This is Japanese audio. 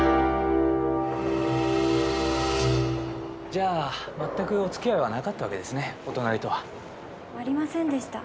じゃあ全くおつきあいはなかったわけですねお隣とは。ありませんでした。